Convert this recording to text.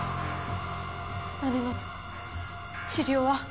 姉の治療は？